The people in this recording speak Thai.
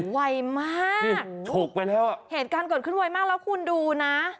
เว่ยมากเหตุการณ์เกิดขึ้นเว่ยมากแล้วคุณดูนะ